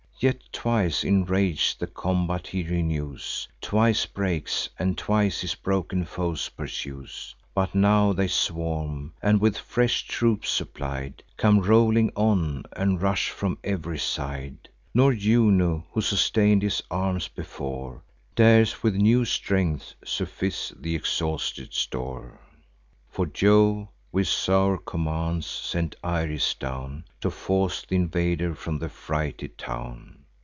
Yet twice, enrag'd, the combat he renews, Twice breaks, and twice his broken foes pursues. But now they swarm, and, with fresh troops supplied, Come rolling on, and rush from ev'ry side: Nor Juno, who sustain'd his arms before, Dares with new strength suffice th' exhausted store; For Jove, with sour commands, sent Iris down, To force th' invader from the frighted town.